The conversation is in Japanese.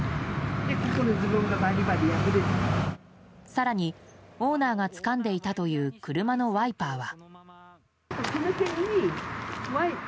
更にオーナーがつかんでいたという車のワイパーは。